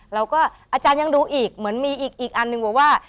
เราก็อาจารย์ยังดูอีกมันมีอีกอันหนึ่งว่าว่า